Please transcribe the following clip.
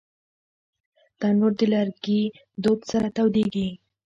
تنور د لرګي دود سره تودېږي